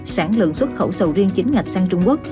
sản lượng xuất khẩu sầu riêng chính ngạch sang trung quốc